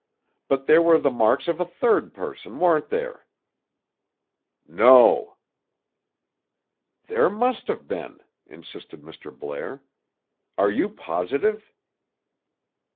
But there were the marks of a third person, weren't there?" "No." "There must have been," insisted Mr. Blair. "Are you positive?"